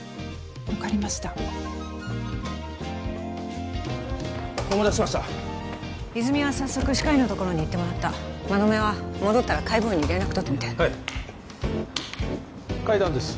分かりましたお待たせしました泉は早速歯科医の所に行ってもらった馬目は戻ったら解剖医に連絡とってみてはい階段です